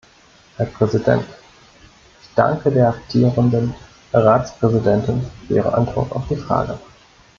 Herr Präsident, ich danke der amtierenden Ratspräsidentin für ihre Antwort auf die Frage.